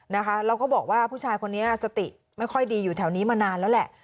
แล้วก็บอกว่าผู้ชายคนนี้สติไม่ค่อยดีอยู่แถวนี้มานานแล้วแหละ